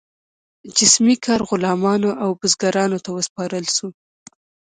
جسمي کار غلامانو او بزګرانو ته وسپارل شو.